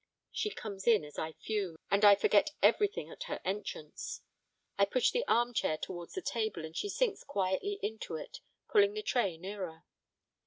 She comes in as I fume, and I forget everything at her entrance. I push the armchair towards the table, and she sinks quietly into it, pulling the tray nearer.